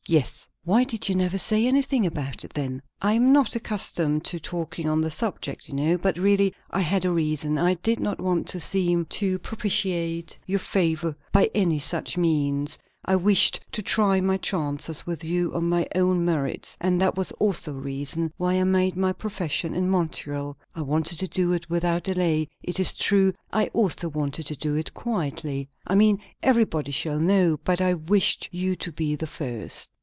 "Yes." "Why did you never say anything about it, then?" "I am not accustomed to talking on the subject, you know. But, really, I had a reason. I did not want to seem to propitiate your favour by any such means; I wished to try my chances with you on my own merits; and that was also a reason why I made my profession in Montreal. I wanted to do it without delay, it is true; I also wanted to do it quietly. I mean everybody shall know; but I wished you to be the first."